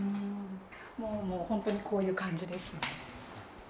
もう本当にこういう感じですね。